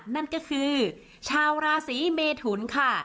นั่นก็คือชาวราศีเมทุนค่ะ